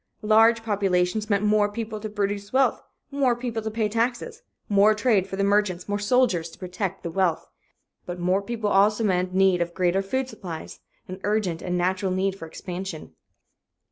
Large populations meant more people to produce wealth, more people to pay taxes, more trade for the merchants, more soldiers to protect the wealth. But more people also meant need of greater food supplies, an urgent and natural need for expansion.